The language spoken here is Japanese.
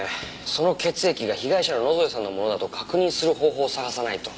その血液が被害者の野添さんのものだと確認する方法を探さないと。